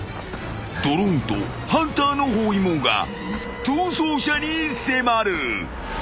［ドローンとハンターの包囲網が逃走者に迫る］